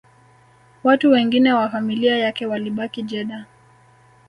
Watu wengine wa familia yake walibaki Jeddah